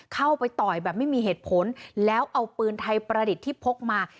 เข้าไปต่อยแบบไม่มีเหตุผลแล้วเอาปืนไทยประดิษฐ์ที่พกมา